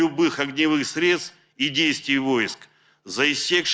untuk menggunakan segala alat api dan perang